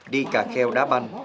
đi cà kheo đá banh